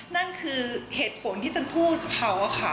นั่นคือเหตุผลที่ฉันพูดเขาค่ะ